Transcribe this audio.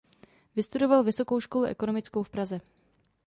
Vystudoval Vysokou školu ekonomickou v Praze.